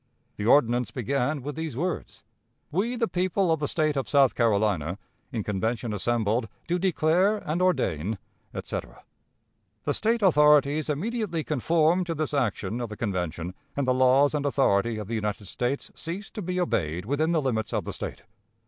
'" The ordinance began with these words: "We, the people of the State of South Carolina, in convention assembled, do declare and ordain," etc. The State authorities immediately conformed to this action of the Convention, and the laws and authority of the United States ceased to be obeyed within the limits of the State.